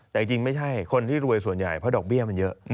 แต่จริงไม่ใช่คนที่รวยส่วนใหญ่เพราะดอกเบี้ยมันเยอะ